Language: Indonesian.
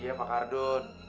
iya pak ardun